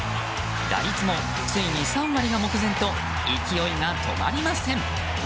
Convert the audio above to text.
打率もついに３割が目前と勢いが止まりません。